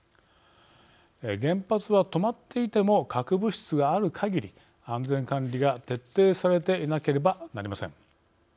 原発は止まっていても核物質がある限り安全管理が徹底されていなければなりません。